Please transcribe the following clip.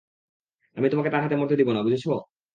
আমি তোমাকে তার হাতে মরতে দিব না, বুঝেছ?